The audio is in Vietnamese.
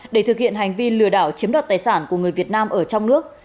để thực hiện hành vi lừa đảo chiếm đoạt tài sản của người việt nam ở trong nước